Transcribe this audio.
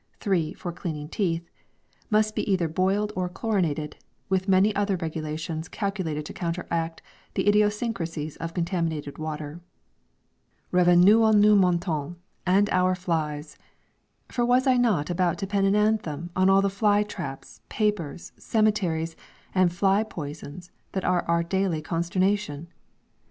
(3) for cleaning teeth, must be either boiled or chlorinated, with many other regulations calculated to counteract the idiosyncrasies of contaminated water. Revenons à nos moutons and our flies! For was I not about to pen an anthem on all the fly traps, papers, cemeteries and fly poisons that are our daily consternation?